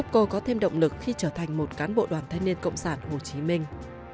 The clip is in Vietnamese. cô có thêm động lực khi trở thành một cán bộ đoàn thanh niên cộng sản hồ chí minh